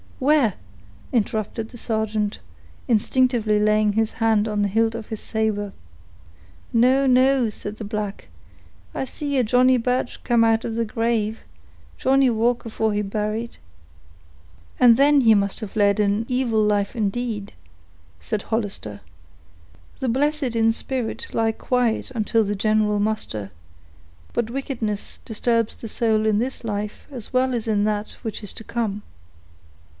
"Where?" interrupted the sergeant, instinctively laying his hand on the hilt of his saber. "No, no," said the black, "I see a Johnny Birch come out of he grave—Johnny walk afore he buried." "Ah! then he must have led an evil life indeed," said Hollister. "The blessed in spirit lie quiet until the general muster, but wickedness disturbs the soul in this life as well as in that which is to come."